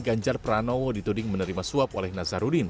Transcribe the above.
ganjar pranowo dituding menerima suap oleh nazarudin